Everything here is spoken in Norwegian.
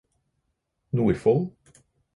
Nordfold